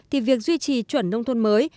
thì việc duy trì chuẩn nông thôn mới